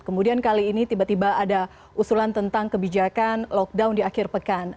kemudian kali ini tiba tiba ada usulan tentang kebijakan lockdown di akhir pekan